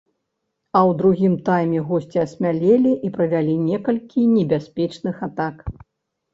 А ў другім тайме госці асмялелі і правялі некалькі небяспечных атак.